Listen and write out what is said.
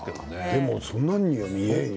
でもそんなには見えないよ。